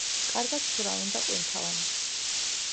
კარგად ცურავენ და ყვინთავენ.